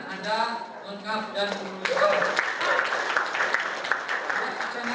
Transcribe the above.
ada lengkap dan menentukan